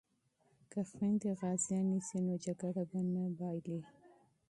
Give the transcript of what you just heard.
که خویندې غازیانې شي نو جګړه به نه بایلي.